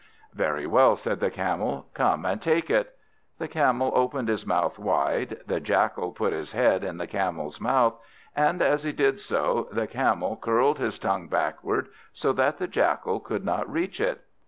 "Very well," said the Camel; "come and take it." The Camel opened his mouth wide. The Jackal put his head in the Camel's mouth, and as he did so, the Camel curled his tongue backward, so that the Jackal could not reach it.